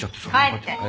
帰って。